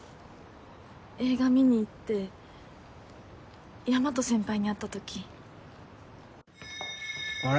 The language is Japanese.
映画見に行って大和先輩に会ったときあれ？